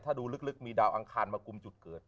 ถ้าดูลึกมีดาวอังคารมากุมจุดเกิด